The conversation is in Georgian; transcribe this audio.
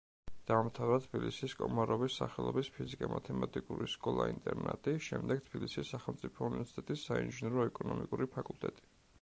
დაამთავრა თბილისის კომაროვის სახელობის ფიზიკა-მათემატიკური სკოლა-ინტერნატი, შემდეგ თბილისის სახელმწიფო უნივერსიტეტის საინჟინრო-ეკონომიკური ფაკულტეტი.